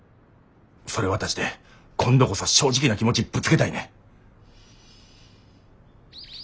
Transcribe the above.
それ渡して今度こそ正直な気持ちぶつけたいねん。